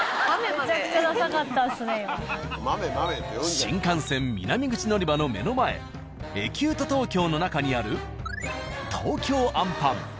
新幹線南口乗り場の目の前エキュート東京の中にある。